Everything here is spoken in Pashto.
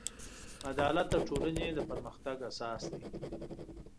عدالت د ټولنې د پرمختګ اساس دی.